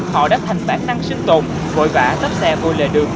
họ đã thành bản năng sinh tồn vội vã tắt xe vô lề đường